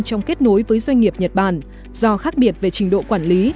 trong kết nối với doanh nghiệp nhật bản do khác biệt về trình độ quản lý